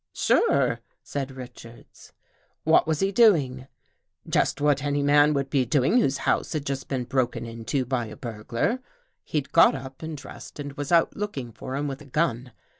" Sure," said Richards. " What was he doing? "" Just what any man would be doing whose house had just been broken into by a burglar. He'd got up and dressed and was out looking for him with a gun.